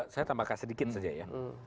saya tambahkan sedikit saja ya